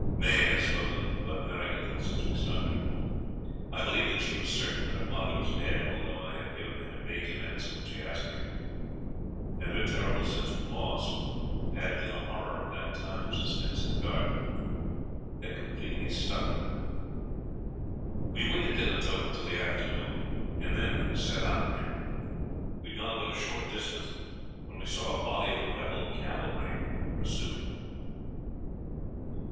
May had spoken but very little since we started. I believe that she was certain that her father was dead, although I had given an evasive answer when she asked me; and her terrible sense of loss, added to the horror of that time of suspense in the garden, had completely stunned her. We waited in the tope until the afternoon, and then set out again. "We had gone but a short distance when we saw a body of the rebel cavalry in pursuit.